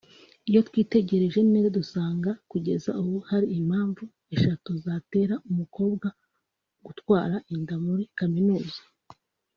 Iyo twitegereje neza dusanga kugeza ubu hari impamvu eshatu zatera umukobwa gutwara inda muri kaminuza